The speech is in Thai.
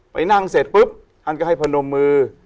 ไปนั่งเสร็จปุ๊บท่านก็ให้พนมมือ